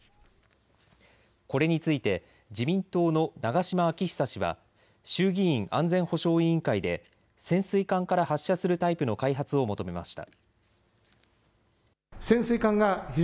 これについて自民党の長島昭久氏は衆議院安全保障委員会で潜水艦から発射するタイプの開発を求めました。